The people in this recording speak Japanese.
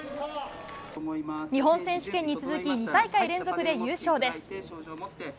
日本選手権に続き、２大会連続で優勝です。